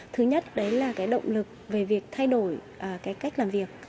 thứ nhất đấy là cái động lực về việc thay đổi cái cách làm việc